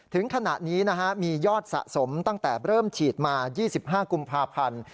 ถึงขณะนี้มียอดสะสมตั้งแต่เริ่มฉีดมา๒๕กุมภาพันธ์